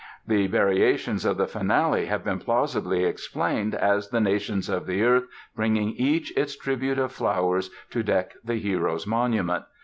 The variations of the Finale have been plausibly explained as the nations of the earth bringing each its tribute of flowers to deck the hero's monument.